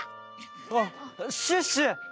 あっシュッシュ！